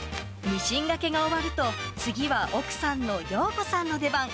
ミシンがけが終わると、次は奥さんの陽子さんの出番。